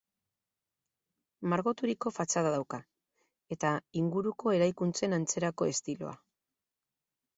Margoturiko fatxada dauka, eta inguruko eraikuntzen antzerako estiloa.